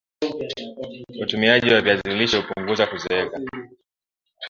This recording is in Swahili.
utumiaji wa viazi lishe hupunguza kuzeeka